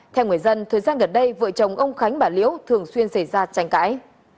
theo người dân thời gian gần đây vợ chồng ông khánh bà liễu thường xuyên xảy ra tranh cãi